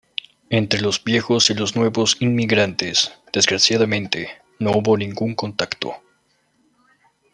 Entre los viejos y los nuevos inmigrantes, desgraciadamente, no hubo ningún contacto.